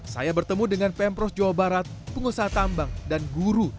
saya bertemu dengan pemprov jawa barat pengusaha tambang dan guru